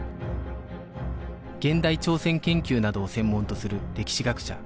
現代朝鮮研究などを専門とする歴史学者